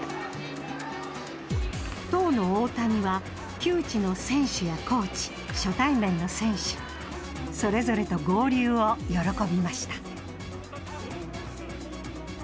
当の大谷は旧知の選手やコーチ初対面の選手それぞれと合流を喜びました。